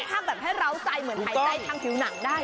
ภาคแบบให้เราใส่เหมือนไฮไซต์ทางผิวหนังได้